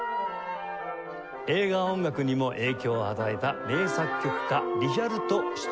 映画音楽にも影響を与えた名作曲家リヒャルト・シュトラウス。